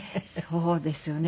そうですね。